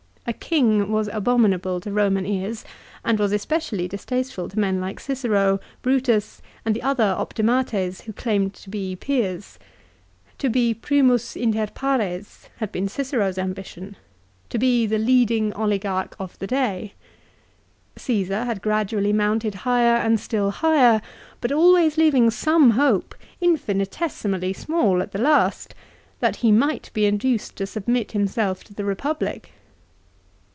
A king was abominable to Eoman ears, and was especially distasteful to men like Cicero, Brutus, and the other " optimates " who claimed to be peers. To be " primus inter pares " had been Cicero's ambition ; to be the 1 Ad Att. lib. xiv. 9 and 15. Quintilian, lib. vii. 4. CESAR'S DEATH. 209 leading oligarch of the day. Caesar had gradually mounted higher and still higher but always leaving some hope, infinitesimally small at last, that he might be induced to submit himself to the Eepublic.